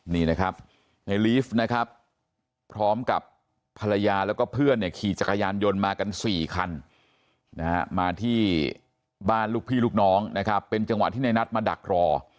นี่นะครับในลีฟนะครับพร้อมกับภรรยาแล้วก็เพื่อนเนี่ยขี่จักรยานยนต์มากัน๔คันนะฮะมาที่บ้านลูกพี่ลูกน้องนะครับเป็นจังหวะที่ในนัดมาดักรอ